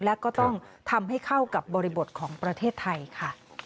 และก็ต้องทำให้เข้ากับบริบทของประเทศไทยค่ะ